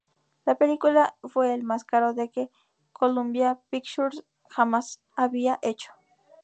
La película fue el más caro de que Columbia Pictures jamás había hecho.